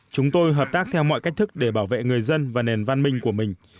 chúng tôi hợp tác theo mọi cách thức để bảo vệ người dân và nền văn minh của mình